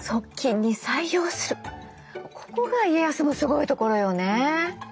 ここが家康のすごいところよね。